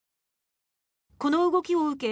この動きを受け